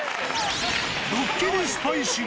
ドッキリスパイ修行。